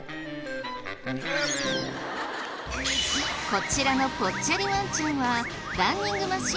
こちらのぽっちゃりワンちゃんは。